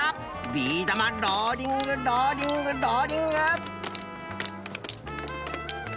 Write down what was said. ビー玉ローリングローリングローリング。